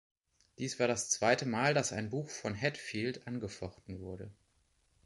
Dies war das zweite Mal, dass ein Buch von Hatfield angefochten wurde.